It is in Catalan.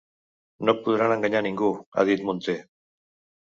No podran enganyar ningú –ha dit Munté–.